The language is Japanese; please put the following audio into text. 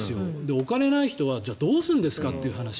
お金がない人はどうするんですかという話。